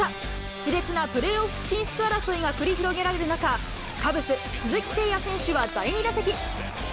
しれつなプレーオフ進出争いが繰り広げられる中、カブス、鈴木誠也選手は第２打席。